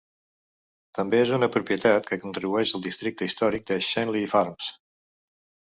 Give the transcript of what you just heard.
També és una propietat que contribueix al districte històric de Schenley Farms.